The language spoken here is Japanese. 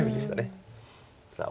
さあ